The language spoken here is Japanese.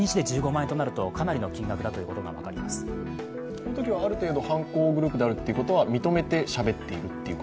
そのときはある程度、犯行グループであると認めてしゃべっていると。